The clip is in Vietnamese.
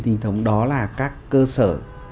chính thống đó là các cơ sở